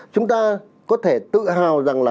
chúng ta có thể tự hào rằng là